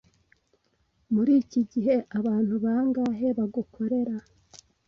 Muri iki gihe abantu bangahe bagukorera?